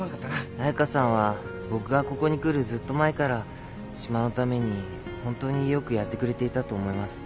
彩佳さんは僕がここに来るずっと前から島のために本当によくやってくれていたと思います。